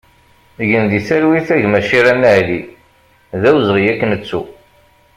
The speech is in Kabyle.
Gen di talwit a gma Cirani Ali, d awezɣi ad k-nettu!